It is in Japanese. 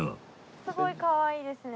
すごいかわいいですね。